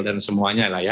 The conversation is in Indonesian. dan semuanya lah ya